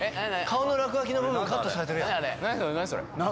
顔の落書きの部分カットされてるやん何？